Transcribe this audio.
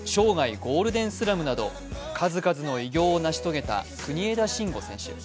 ゴールデンスラムなど、数々の偉業を成し遂げた国枝慎吾選手。